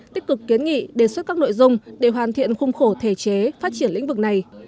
tích cực kiến nghị đề xuất các nội dung để hoàn thiện khung khổ thể chế phát triển lĩnh vực này